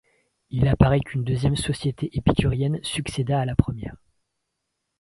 Il apparaît qu'une deuxième Société épicurienne succéda à la première.